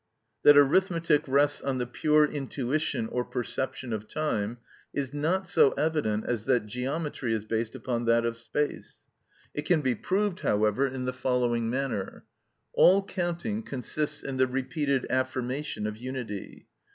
That Arithmetic rests on the pure intuition or perception of time is not so evident as that Geometry is based upon that of space.(15) It can be proved, however, in the following manner. All counting consists in the repeated affirmation of unity.